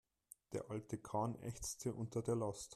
Der alte Kahn ächzte unter der Last.